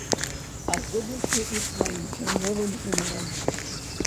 Аздобіўшы іх сваім фірмовым гумарам.